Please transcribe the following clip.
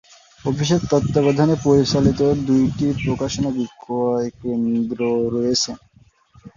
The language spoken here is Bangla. অফিসের তত্ত্বাবধানে পরিচালিত দুইটি প্রকাশনা বিক্রয় কেন্দ্র রয়েছে।